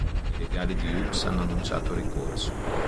I legali di Ubs hanno annunciato ricorso.